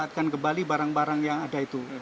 memanfaatkan kembali barang barang yang ada itu